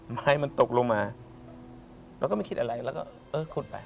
ไม้มันตกลงมาเราก็ไม่คิดอะไรแล้วก็เออขุดไป